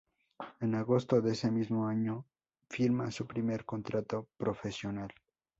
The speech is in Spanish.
En agosto de ese mismo año firma su primer contrato profesional.